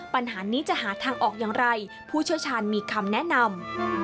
ปัญหานี้จะหาทางออกอย่างไรผู้เชี่ยวชาญมีคำแนะนำ